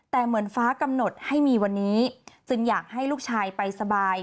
แต่เหมือนฟ้ากำหนดให้มีวันนี้จึงอยากให้ลูกชายไปสบาย